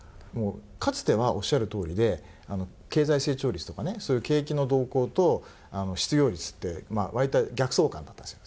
かつてはおっしゃるとおりで経済成長率とかねそういう景気の動向と失業率ってわりと逆相関だったんですよ。